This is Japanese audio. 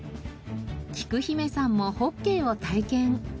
きく姫さんもホッケーを体験。